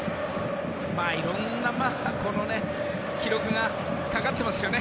いろんな記録がかかってますよね。